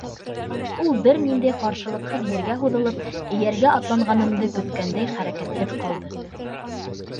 Ул бер ниндәй ҡаршылыҡһыҙ ергә һуҙылып, эйәргә атланғанымды көткәндәй хәрәкәтһеҙ ҡалды.